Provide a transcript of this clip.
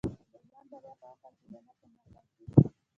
د ژوند بريا په عقل کي ده، نه په نقل کي.